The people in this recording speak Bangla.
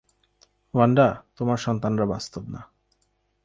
ওয়ান্ডা, তোমার সন্তানরা বাস্তব না।